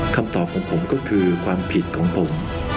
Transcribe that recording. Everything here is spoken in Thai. คำตอบของผมก็คือความผิดของผม